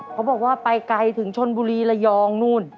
เขาบอกว่าไปไกลถึงชนบุรีระยองนู่น